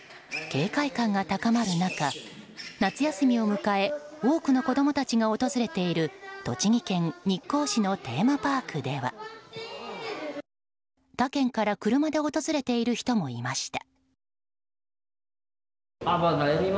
警戒感が高まる中、夏休みを迎え多くの子供たちが訪れている栃木県日光市のテーマパークでは他県から車で訪れている人もいました。